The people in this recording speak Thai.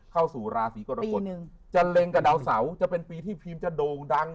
เข้าสู่ราศีกรกฎจะเล็งกับดาวเสาจะเป็นปีที่พีมจะโด่งดัง